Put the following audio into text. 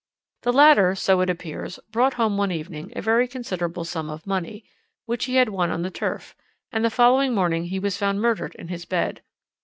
"The latter, so it appears, brought home one evening a very considerable sum of money, which he had won on the turf, and the following morning he was found murdered in his bed.